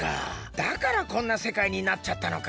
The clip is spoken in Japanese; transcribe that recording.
だからこんなせかいになっちゃったのか。